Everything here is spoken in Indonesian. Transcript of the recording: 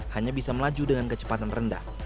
hanya bisa melaju dengan kecepatan rendah